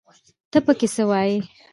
ته پکې څه وايې